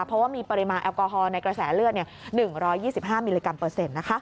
เพราะว่ามีปริมาณแอลกอฮอล์ในกระแสเลือด๑๒๕มิลลิกรัมเปอร์เซ็นต์นะคะ